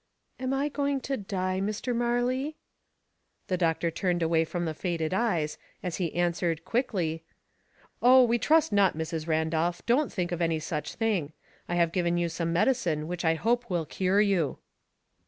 " Am I going to die, Dr. Marley ?" The doctor looked away from the faded eyes, as he answered, quicklj, —" Oh, we trust not, Mrs. Randolph ; don't think of any such thing. I have given you some med icine which I hope will cure you."